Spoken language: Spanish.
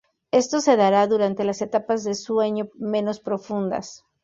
Esto se dará durante las etapas de sueño menos profundas.